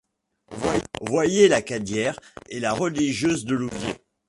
Voyez la Cadière et la religieuse de Louviers.